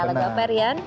lagu apa rian